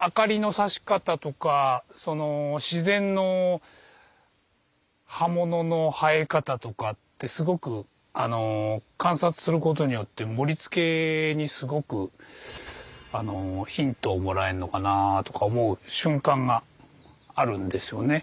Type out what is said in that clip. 明かりのさし方とかその自然の葉物の生え方とかってすごく観察することによって盛り付けにすごくヒントをもらえんのかなとか思う瞬間があるんですよね。